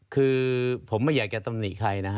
คือผมไม่อยากจะตำหนิใครนะฮะ